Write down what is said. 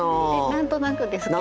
何となくですけど。